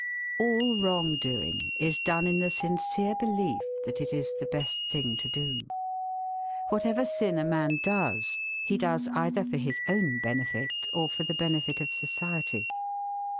All wrong doing is done in the sincere belief that it is the best thing to do. Whatever sin a man does he does either for his own benefit or for the benefit of society.